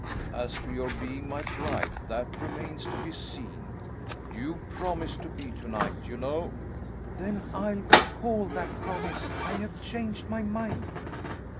As to your being my bride, that remains to be seen. You promised to be tonight, you know!" "Then I'll recall that promise. I have changed my mind."